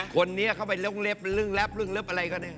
คนนี้เขาไปเลิกเล็บเรื่องแรปเรื่องเลิบอะไรก็ได้